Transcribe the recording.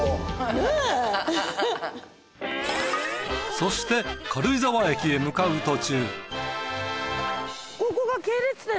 そして軽井沢駅へ向かう途中。